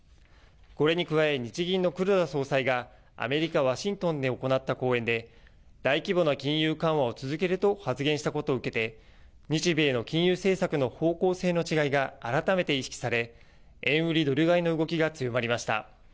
これに加え日銀の黒田総裁がアメリカ・ワシントンで行った講演で大規模な金融緩和を続けると発言したことを受けて日米の金融政策の方向性の違いが改めて意識され円売りドル買いの動きが強まりました。